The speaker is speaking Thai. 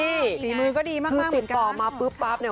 สีมือก็ดีมากเหมือนกันคือติดต่อมาปุ๊บปั๊บเนี่ย